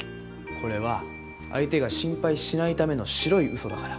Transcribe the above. これは相手が心配しないための白いウソだから。